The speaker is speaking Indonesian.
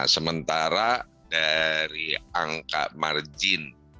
sementara dari angka margin